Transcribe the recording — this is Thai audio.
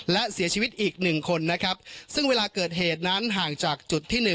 และเสียชีวิตอีก๑คนนะครับซึ่งเวลาเกิดเหตุนั้นห่างจากจุดที่๑